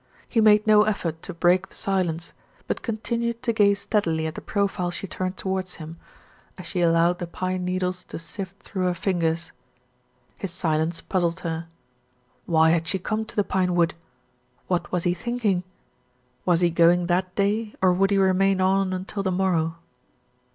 He made no effort to break the silence; but continued to gaze steadily at the profile she turned towards him, as she 348 THE RETURN OF ALFRED allowed the pine needles to sift through her fingers. His silence puzzled her. Why had she come to the pinewood? What was he thinking? Was he going that day, or would he remain on until the morrow?